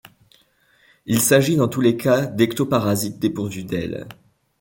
Il s'agit dans tous les cas d'ectoparasites dépourvus d'ailes.